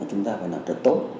chúng ta phải làm thật tốt